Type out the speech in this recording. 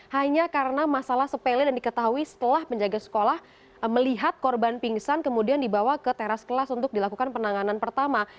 hanya karena masalah sepele dan diketahui setelah penjaga sekolah melihat korban pingsan kemudian dibawa ke teras kelas untuk dilakukan penanganan pertama